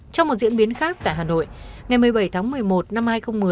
trong một diễn biến khác tại hà nội ngày một mươi bảy tháng một mươi một năm hai nghìn một mươi